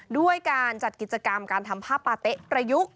ด้วยการจัดกิจกรรมการทำผ้าปาเต๊ะประยุกต์